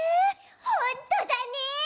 ほんとだね！